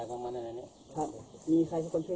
การในนี้